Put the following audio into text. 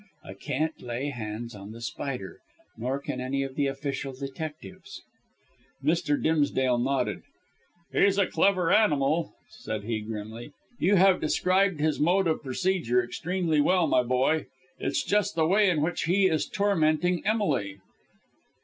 I can't lay hands on The Spider, nor can any of the official detectives." Mr. Dimsdale nodded. "He's a clever animal," said he grimly. "You have described his mode of procedure extremely well, my boy. It's just the way in which he is tormenting Emily."